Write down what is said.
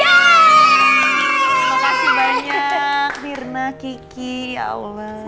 makasih banyak firna kiki ya allah